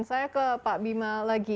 saya ke pak bima lagi